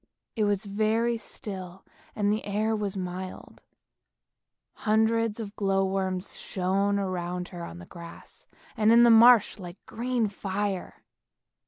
It was very still and the air was mild, hundreds of glow worms shone around her on the grass and in the marsh like green fire.